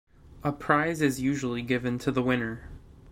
A prize is usually given to the winner.